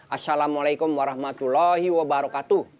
assalamualaikum warahmatullahi wabarakatuh